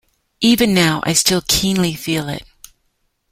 Even now I still keenly feel it.